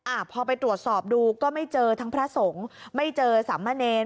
อ่าพอไปตรวจสอบดูก็ไม่เจอทั้งพระสงฆ์ไม่เจอสามเณร